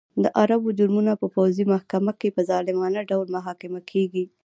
د عربو جرمونه په پوځي محکمه کې په ظالمانه ډول محاکمه کېږي.